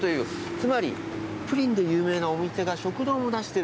つまりプリンで有名なお店が食堂も出してる。